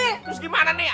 terus gimana nih